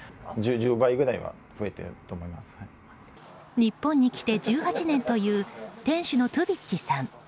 日本に来て１８年という店主のトウビッチさん。